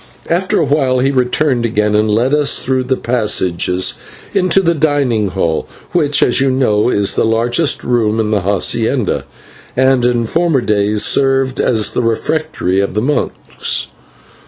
After a while he returned again and led us through the passages into the dining hall, which, as you know, is the largest room in the /hacienda/, and in former days served as the refectory of the monks.